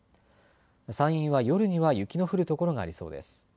山陰は夜には雪の降る所がありそうです。